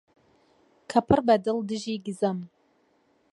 کە پڕبەدڵ دژی گزەم؟!